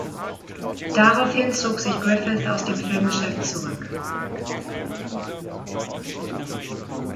Daraufhin zog sich Griffith aus dem Filmgeschäft zurück.